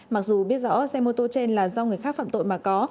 mặc dù biết rõ xe mô tô trên là do người khác phạm tội mà có